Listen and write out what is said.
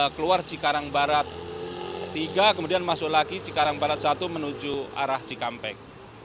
keluar cikarang barat tiga kemudian masuk lagi cikarang barat satu menuju arah cikampek